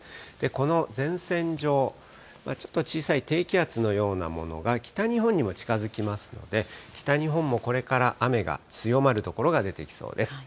この前線上、ちょっと小さい低気圧のようなものが北日本にも近づきますので、北日本もこれから雨が強まる所が出てきそうです。